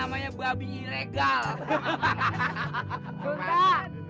relaksin juga dan